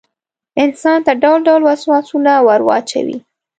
انسان ته ډول ډول وسواسونه وراچوي.